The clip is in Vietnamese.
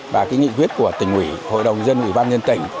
và cái nghị quyết của tỉnh ủy hội đồng dân ủy ban nhân tỉnh